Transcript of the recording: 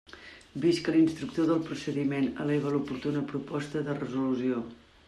Vist que l'instructor del procediment eleva l'oportuna proposta de resolució.